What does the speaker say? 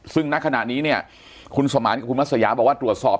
ซึ่งณขณะนี้เนี่ยคุณสมานกับคุณมัศยาบอกว่าตรวจสอบ